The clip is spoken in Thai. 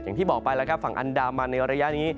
อย่างที่บอกไปแล้วครับฝั่งอันดามันในระยะนี้